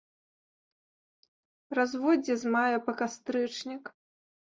Разводдзе з мая па кастрычнік.